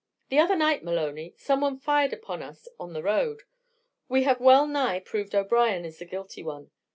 "The other night, Maloney, someone fired upon us on the road. We have well nigh proved O'Brien is the guilty one.